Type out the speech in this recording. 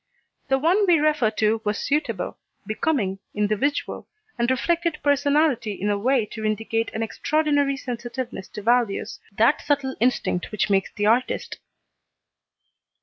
The one we refer to was suitable, becoming, individual, and reflected personality in a way to indicate an extraordinary sensitiveness to values, that subtle instinct which makes the artist.